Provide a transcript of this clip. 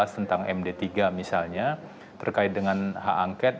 tentang md tiga misalnya terkait dengan hak angket